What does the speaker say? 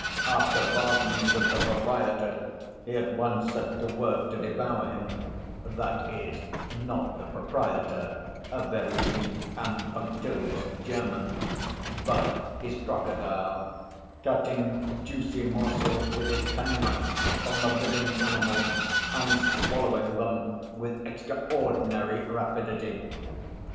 After bargaining with the proprietor he at once set to work to devour him (that is, not the proprietor, a very meek and punctilious German, but his crocodile), cutting juicy morsels with his penknife from the living animal, and swallowing them with extraordinary rapidity.